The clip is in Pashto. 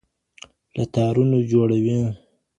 له تارونو جوړوي